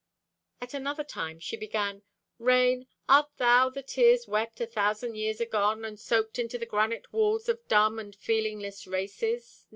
At another time she began: "Rain, art thou the tears wept a thousand years agone, and soaked into the granite walls of dumb and feelingless races?